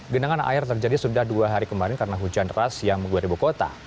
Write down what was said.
genangan air terjadi sudah dua hari kemarin karena hujan ras yang menggeri buku kota